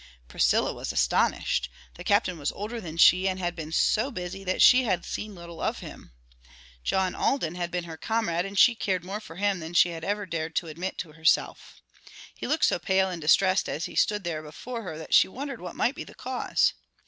Priscilla was astonished; the Captain was older than she and had been so busy that she had seen little of him. John Alden had been her comrade and she cared more for him than she had ever dared admit to herself. He looked so pale and distressed as he stood there before her that she wondered what might be the cause.